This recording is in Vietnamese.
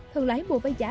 thường lái mua với giá